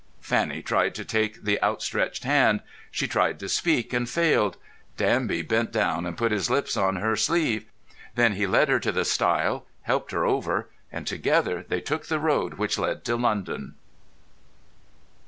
Fanny tried to take the outstretched hand. She tried to speak, and failed. Danby bent down and put his lips on her sleeve. Then he led her to the stile, helped her over, and together they took the road which led to London.